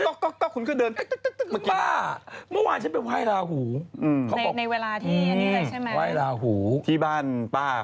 ขอปัดปาวอะไรป่ะข้อเรื่องความรักหรือเปล่า